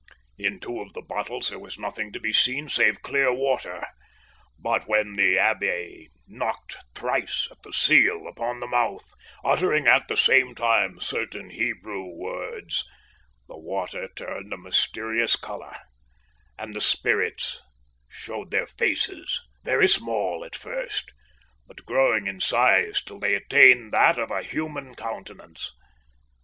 In two of the bottles there was nothing to be seen save clear water, but when the Abbé knocked thrice at the seal upon the mouth, uttering at the same time certain Hebrew words, the water turned a mysterious colour, and the spirits showed their faces, very small at first, but growing in size till they attained that of a human countenance.